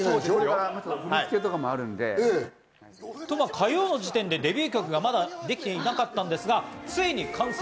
火曜の時点でデビュー曲がまだ、できていなかったんですが、ついに完成！